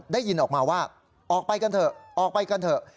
ได้ยินออกมาว่าออกไปกันเถอะออกไปกันเถอะ